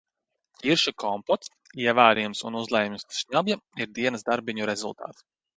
Ķiršu kompots, ievārījums un uzlējums uz šnabja ir dienas darbiņu rezultāts.